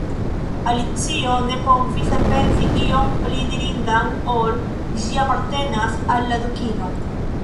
Alicio ne povis elpensi ion pli dirindan ol: "Ĝi apartenas al la Dukino. »